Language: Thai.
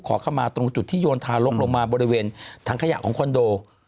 ขอเข้ามาตรงจุดที่โยนทารกลงมาบริเวณถังขยะของคอนโด